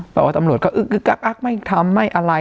บอกว่าตำรวจก็เอิ๊ะแอ๊อกไม่ทำไม่อะไร